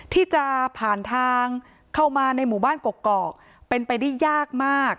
ที่จะผ่านทางเข้ามาในหมู่บ้านกกอกเป็นไปได้ยากมาก